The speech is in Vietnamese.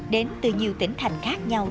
đến từ nhiều tỉnh thành khác nhau